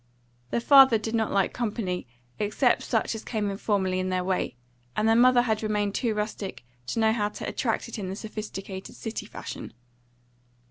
Their father did not like company, except such as came informally in their way; and their mother had remained too rustic to know how to attract it in the sophisticated city fashion.